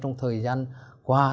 chúng tôi đã có một kế hoạch